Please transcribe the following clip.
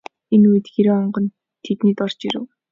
Энэ үед Гэрийн онгон тэднийд орж ирэв.